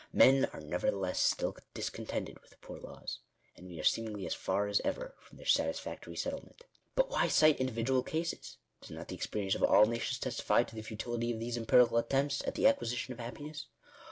Men are nevertheless still discontented with the Poor Laws, and we are seemingly as far as ever from their satisfactory settlement. But why cite individual cases ? Does not the experience of all nations testify to the futility of these empirical attempts at the acquisition of happiness